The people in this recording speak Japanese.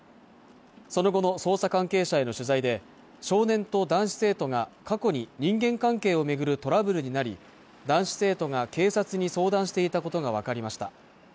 その後の捜査関係者への取材で少年と男子生徒が過去に人間関係を巡るトラブルになり男子生徒が警察に相談していたことが分かりました